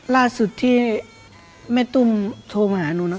ล่าสุดที่แม่ตุ้มโทรมาหาหนูนะ